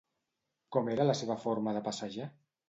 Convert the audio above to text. Com era la seva forma de passejar?